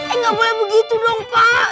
eh nggak boleh begitu dong pak